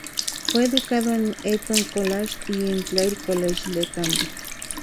Fue educado en el Eton College y en el Clare College, de Cambridge.